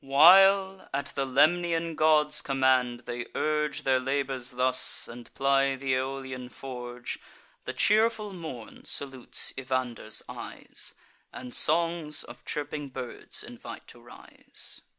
While, at the Lemnian god's command, they urge Their labours thus, and ply th' Aeolian forge, The cheerful morn salutes Evander's eyes, And songs of chirping birds invite to rise.